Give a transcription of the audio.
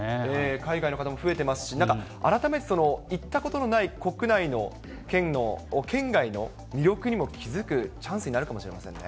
海外の方も増えてますし、なんか改めて行ったことのない国内の県の、県外の魅力にも気付くチャンスになるかもしれませんね。